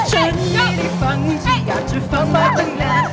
ฉันไม่ได้ฟังฉันอยากจะฟังมาตลอด